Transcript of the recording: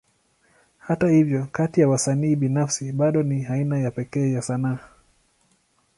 Hata hivyo, kati ya wasanii binafsi, bado ni aina ya pekee ya sanaa.